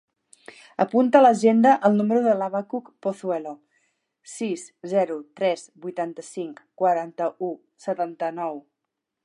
Apunta a l'agenda el número de l'Habacuc Pozuelo: sis, zero, tres, vuitanta-cinc, quaranta-u, setanta-nou.